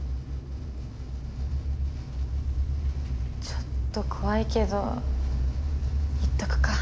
ちょっと怖いけど行っとくか。